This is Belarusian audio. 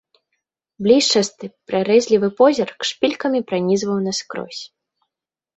Блішчасты прарэзлівы позірк шпількамі пранізваў наскрозь.